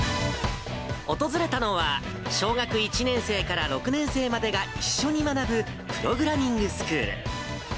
訪れたのは、小学１年生から６年生までが一緒に学ぶプログラミングスクール。